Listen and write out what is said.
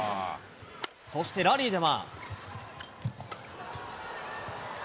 そしてラリーでは。